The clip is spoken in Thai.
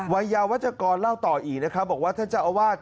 วัยยาวัชกรเล่าต่ออีกนะครับบอกว่าท่านเจ้าอาวาส